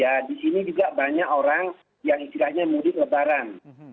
ya di sini juga banyak orang yang istilahnya mudik lebaran